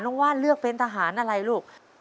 ว่านเลือกเป็นทหารอะไรลูก